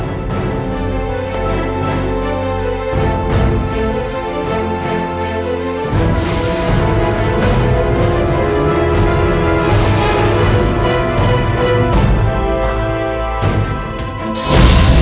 memelihara kanta dewa